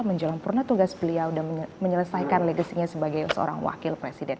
menjelang purna tugas beliau dan menyelesaikan legasinya sebagai seorang wakil presiden